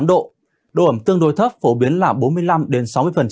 độ ẩm tương đối thấp phổ biến là bốn mươi năm đến sáu mươi